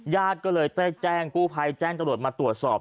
ยาก็เลยแจ้งกู้ภัยแจ้งตลอดมาตรวจสอบ